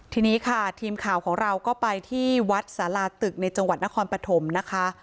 ทีนี้ค่ะทีมข่าวของเราก็ไปที่วัดสาราตึกในจังหวัดนครปฐมนะคะ